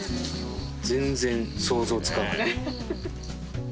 全然想像つかない。